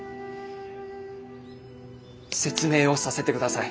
説明をさせてください。